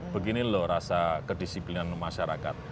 begini loh rasa kedisiplinan masyarakat